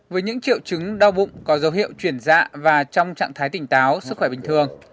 với những triệu chứng đau bụng có dấu hiệu chuyển dạ và trong trạng thái tỉnh táo sức khỏe bình thường